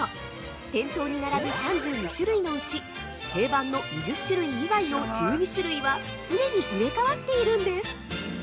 店頭に並ぶ３２種類のうち定番の２０種類以外の１２種類は常に入れかわっているんです。